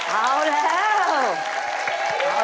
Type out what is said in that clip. อ่าเอาแล้วเอาแล้ว